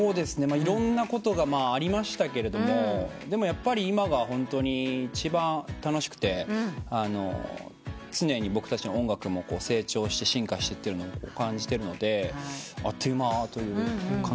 いろんなことがありましたけれどもでもやっぱり今がホントに一番楽しくて常に僕たちの音楽も成長して進化してるのを感じてるのであっという間という感覚ですね。